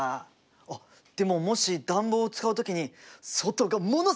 あっでももし暖房を使う時に外がもの